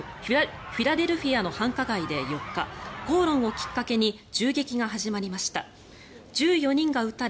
フィラデルフィアの繁華街で４日口論をきっかけに銃撃が始まりました。